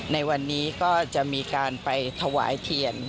ในวันนี้ก็จะมีการไปถวายเทียน